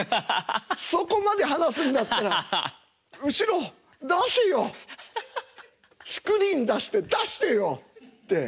そこまで話すんだったら後ろ出せよスクリーン出して出してよって。